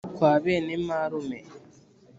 kwa bene marume